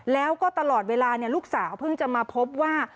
แล้วก็ตลอดเวลาลูกสาวเพิ่งจะมาพบว่า